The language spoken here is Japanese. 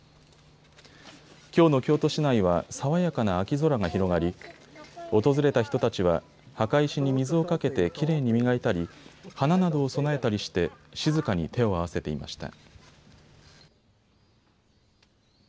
きょうの京都市内は爽やかな秋空が広がり、訪れた人たちは墓石に水をかけてきれいに磨いたり花などを供えたりして静かに手を合わせていました。